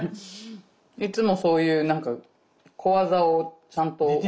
いつもそういう何か小技をちゃんと覚えてる。